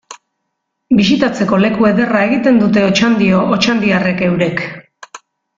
Bisitatzeko leku ederra egiten dute Otxandio otxandiarrek eurek.